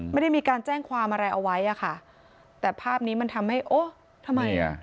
ไม่ได้มีการแจ้งความอะไรเอาไว้อ่ะค่ะแต่ภาพนี้มันทำให้โอ้ทำไมอ่ะ